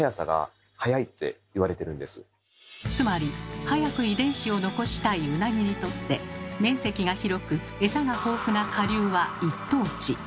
つまり早く遺伝子を残したいウナギにとって面積が広くエサが豊富な下流は一等地。